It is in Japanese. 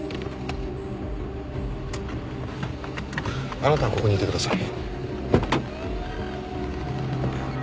あなたはここにいてください。